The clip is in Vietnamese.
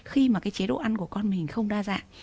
khi mà cái chế độ ăn của con mình không đa dạng